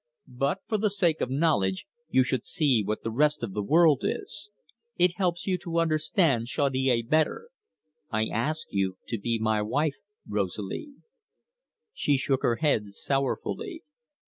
"But, for the sake of knowledge, you should see what the rest of the world is. It helps you to understand Chaudiere better. I ask you to be my wife, Rosalie." She shook her head sorrowfully.